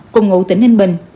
cùng ngụ tỉnh ninh bình